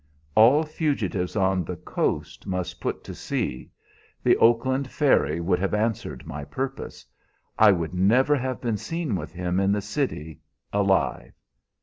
"All fugitives on the coast must put to sea. The Oakland ferry would have answered my purpose. I would never have been seen with him in the city alive.